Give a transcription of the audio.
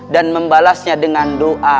dan membalasnya dengan doa